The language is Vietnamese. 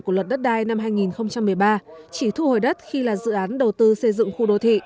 của luật đất đai năm hai nghìn một mươi ba chỉ thu hồi đất khi là dự án đầu tư xây dựng khu đô thị